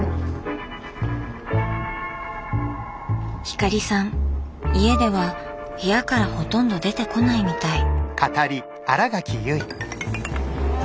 光さん家では部屋からほとんど出てこないみたい。